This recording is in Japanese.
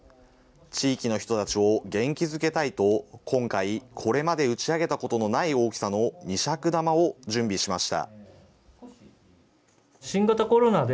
地域の人たちを元気づけたいと今回、これまで打ち上げたことのない大きさの二尺玉を準備しました。